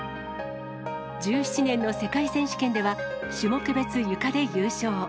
１７年の世界選手権では、種目別ゆかで優勝。